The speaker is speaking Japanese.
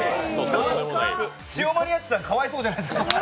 シオマリアッチさんかわいそうじゃないですか。